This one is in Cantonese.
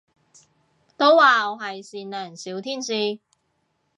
都話我係善良小天使